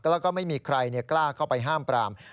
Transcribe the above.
แล้วก็ไม่มีใครกล้าเข้าไปห้ามปราม